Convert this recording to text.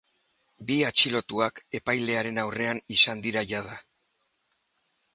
Bi atxilotuak epailearen aurrean izan dira jada.